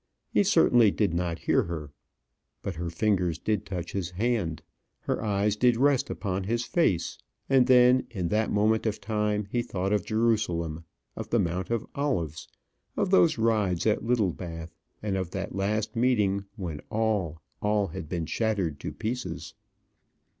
He certainly did not hear her. But her fingers did touch his hand, her eyes did rest upon his face; and then, in that moment of time, he thought of Jerusalem, of the Mount of Olives, of those rides at Littlebath, and of that last meeting, when all, all had been shattered to pieces.